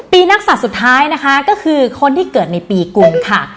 นักศัตริย์สุดท้ายนะคะก็คือคนที่เกิดในปีกุลค่ะ